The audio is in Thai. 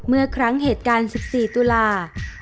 เมื่อครั้งเหตุการณ์๑๔ตุลา